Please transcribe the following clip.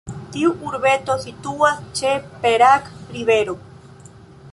Tiu urbeto situas ĉe Perak Rivero.